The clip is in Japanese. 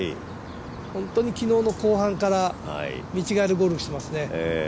本当に昨日の後半から見違えるゴルフをしていますね。